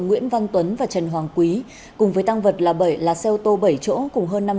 nguyễn văn tuấn và trần hoàng quý cùng với tăng vật là bảy lá xe ô tô bảy chỗ